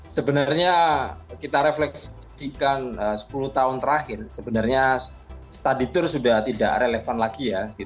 sebenarnya kita refleksikan sepuluh tahun terakhir sebenarnya study tour sudah tidak relevan lagi ya